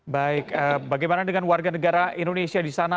baik bagaimana dengan warga negara indonesia di sana